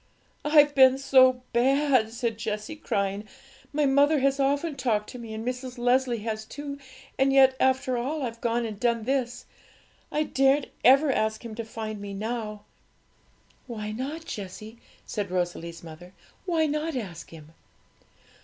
'I've been so bad!' said Jessie, crying. 'My mother has often talked to me, and Mrs. Leslie has too; and yet, after all, I've gone and done this. I daren't ever ask Him to find me now.' 'Why not, Jessie?' said Rosalie's mother; 'why not ask Him?'